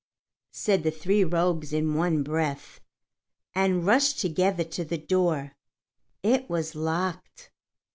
said the three rogues in one breath, and rushed together to the door. It was locked!